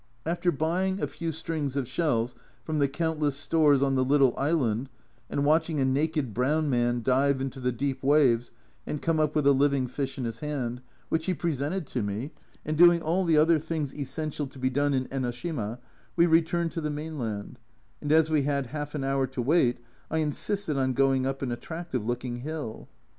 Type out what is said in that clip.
After buying a few strings of shells from the countless stores on the little island, and watching a naked brown man dive into the deep waves and come up with a living fish in his hand, which he presented to me, and doing all the other things essential to be done in Enoshima, we returned to the mainland, and as we had half an hour to wait I insisted on going up an attractive looking hill.